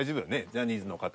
ジャニーズの方。